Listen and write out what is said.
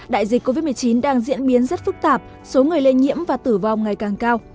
đại dịch covid một mươi chín đang diễn biến rất phức tạp số người lây nhiễm và tử vong ngày càng cao